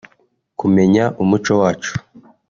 kumenya umuco wacu